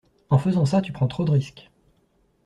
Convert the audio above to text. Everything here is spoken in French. En faisant ça, tu prends trop de risques.